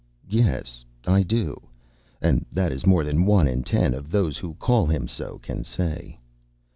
Yes, I do; and that is more than one in ten of those who call him so can say.